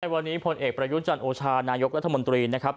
วันนี้พลเอกประยุจันทร์โอชานายกรัฐมนตรีนะครับ